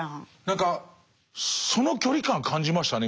何かその距離感感じましたね